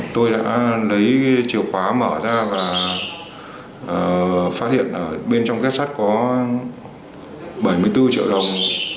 tôi đã lấy chìa khóa mở ra và phát hiện ở bên trong kết sắt có bảy mươi bốn triệu đồng